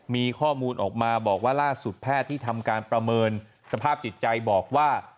มีข้อมูลออกมาบอกว่าล่าสุดแพทย์ที่ทำการประเมินสภาพจิตใจบอกว่า